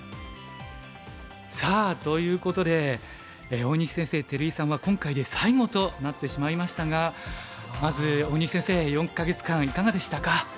さあということで大西先生照井さんは今回で最後となってしまいましたがまず大西先生４か月間いかがでしたか？